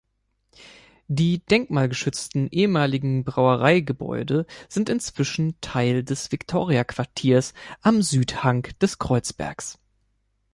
Die denkmalgeschützten ehemaligen Brauereigebäude sind inzwischen Teil des Viktoria-Quartiers am Südhang des Kreuzbergs.